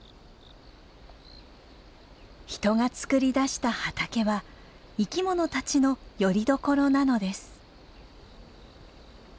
人がつくり出した畑は生きものたちのよりどころなのです。